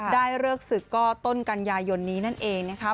เลิกศึกก็ต้นกันยายนนี้นั่นเองนะคะ